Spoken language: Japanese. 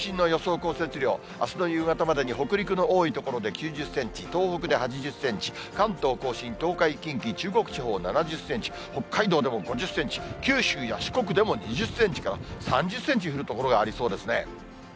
降雪量、あすの夕方までに北陸の多い所で９０センチ、東北で８０センチ、関東甲信、東海、近畿、中国地方７０センチ、北海道でも５０センチ、九州や四国でも２０センチから３０センチ降る所がありそうですね。